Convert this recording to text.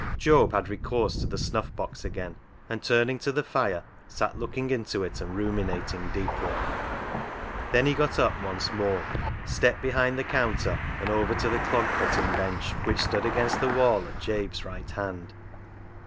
Job had recourse to the snuff box again, and turning to the fire sat looking into it and ruminating deeply. Then he got up once more, stepped behind the counter and over to the clog cutting bench, which stood against the wall at Jabe's right hand.